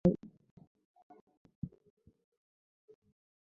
তাহাতে কৃতকার্য হইলেই উহার অভীষ্ট সিদ্ধ হয়।